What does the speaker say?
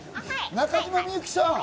中島みゆきさん！